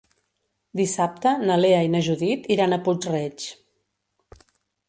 Dissabte na Lea i na Judit iran a Puig-reig.